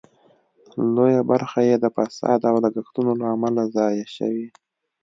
لویه برخه یې د فساد او لګښتونو له امله ضایع شوې.